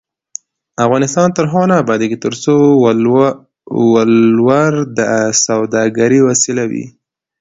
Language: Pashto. افغانستان تر هغو نه ابادیږي، ترڅو ولور د سوداګرۍ وسیله وي.